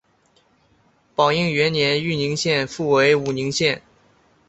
宝应元年豫宁县复为武宁县。